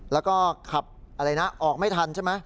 แล้วก็ขับอะไรนะออกไม่ทันใช่ไหม